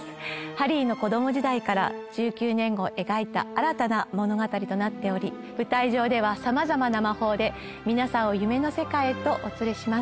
ハリーの子供時代から１９年後を描いた新たな物語となっており舞台上では様々な魔法で皆さんを夢の世界へとお連れします